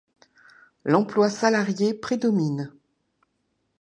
L'emploi salarié prédomine.